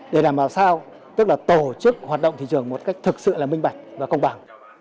để làm sao tổ chức hoạt động thị trường một cách thực sự là minh bạch và công bằng